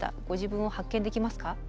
ご自分を発見できますか？